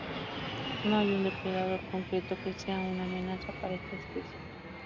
No hay un depredador concreto que sea una amenazas para esta especie.